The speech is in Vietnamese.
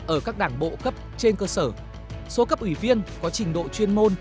ở các đảng bộ cấp trên cơ sở số cấp ủy viên có trình độ chuyên môn